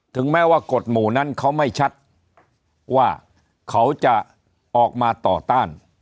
ถึงแม้ว่ากฎหมู่นั้นเขาไม่ชัดว่าเขาจะออกมาต่อต้าน